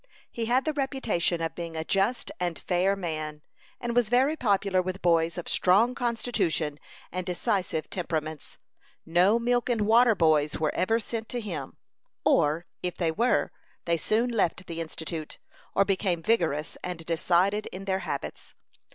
He had the reputation of being a just and fair man, and was very popular with boys of strong constitution and decisive temperaments. No "milk and water" boys were ever sent to him; or, if they were, they soon left the Institute, or became vigorous and decided in their habits.